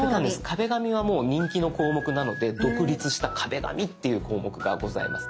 「壁紙」はもう人気の項目なので独立した「壁紙」っていう項目がございます。